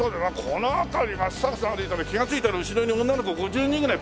この辺り松坂さん歩いたら気がついたら後ろに女の子５０人ぐらい。